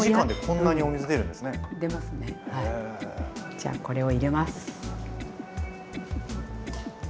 じゃあこれを入れます。